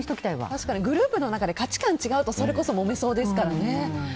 確かにグループの中で価値観が違うともめそうですから。